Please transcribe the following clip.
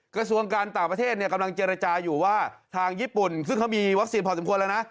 กระทรวงการต่างประเทศกำลังเจรจาอยู่ว่าทางญี่ปุ่นซึ่งเขามีวัคซีนพอสมควรแล้วนะ